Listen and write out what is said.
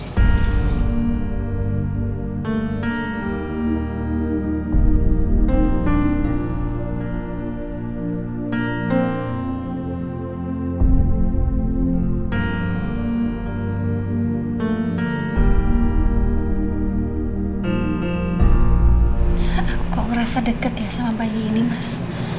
aku kok ngerasa deket ya sama bayi ini mas